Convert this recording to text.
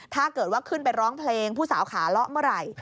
ถ้าเกิดว่าขึ้นไปร้องเพลงผู้สาวขาเลาะเมื่อไหร่